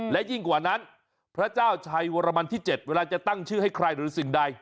และยิ่งกว่านั้นพระเจ้าชัยวรมันที่๗เวลาจะตั้งชื่อให้ใครหรือสิ่งใด